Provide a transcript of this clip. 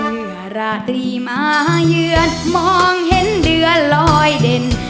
เมื่อราตรีมาเยือนมองเห็นเดือนลอยเด่น